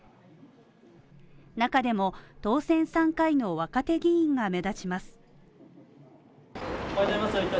中でも当選３回の若手議員が目立ちます。